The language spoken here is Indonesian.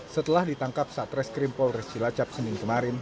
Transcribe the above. setelah ditangkap saat reskrim polres cilacap senin kemarin